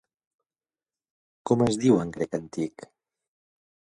Com es diu en grec antic?